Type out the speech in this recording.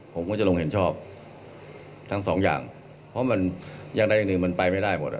ผมก็จะลงเห็นชอบทั้งสองอย่างเพราะมันอย่างใดอย่างหนึ่งมันไปไม่ได้หมด